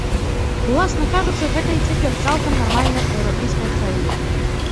Уласна кажучы, гэта і цяпер цалкам нармальная еўрапейская краіна.